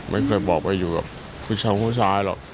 ไม่เคยบอกว่าอยู่กับผู้ชายหรอก